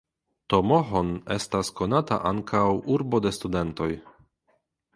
Tomohon estas konata ankaŭ "urbo de studentoj".